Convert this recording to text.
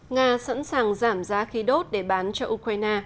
nga sẵn sàng giảm giá khí đốt để bán cho ukraine